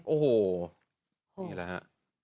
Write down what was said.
โอ้โหนี่แหละฮะ